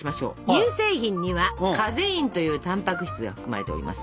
乳製品にはカゼインというたんぱく質が含まれております。